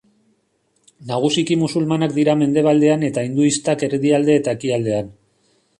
Nagusiki musulmanak dira mendebaldean eta hinduistak erdialde eta ekialdean.